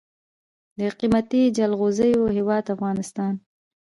د قیمتي جلغوزیو هیواد افغانستان.